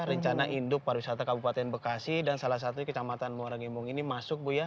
rencana induk pariwisata kabupaten bekasi dan salah satunya kecamatan muarangimung ini masuk bu ya